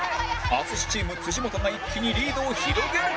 淳チーム本が一気にリードを広げる